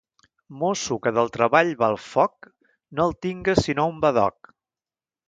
Mosso que del treball va al foc, no el tinga sinó un badoc.